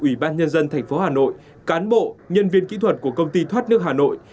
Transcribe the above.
ubnd tp hà nội cán bộ nhân viên kỹ thuật của công ty thoát nước hà nội